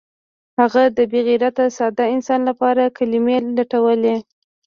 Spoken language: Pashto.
هغه د بې غیرته ساده انسان لپاره کلمې لټولې